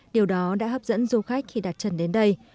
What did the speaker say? điều đó đã hấp dẫn du khách khi đặt chân đến đây